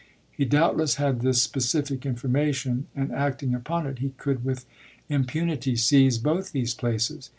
He doubtless had this specific information, and acting upon it he could with impunity seize both these places.